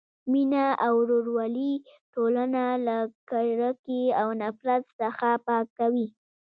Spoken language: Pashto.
مینه او ورورولي ټولنه له کرکې او نفرت څخه پاکوي.